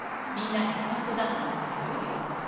みんなでカウントダウンしてくれる？